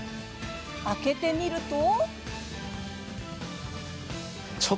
開けてみると。